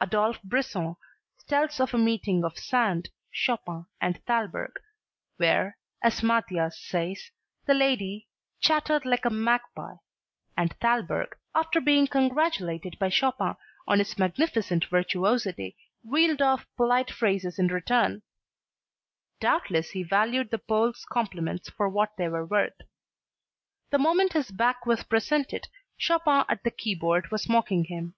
Adolphe Brisson tells of a meeting of Sand, Chopin and Thalberg, where, as Mathias says, the lady "chattered like a magpie" and Thalberg, after being congratulated by Chopin on his magnificent virtuosity, reeled off polite phrases in return; doubtless he valued the Pole's compliments for what they were worth. The moment his back was presented, Chopin at the keyboard was mocking him.